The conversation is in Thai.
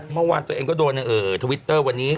เมื่อวานตัวเองก็โดนในทวิตเตอร์วันนี้